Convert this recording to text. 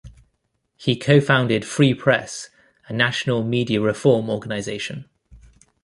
He co-founded Free Press, a national media reform organization.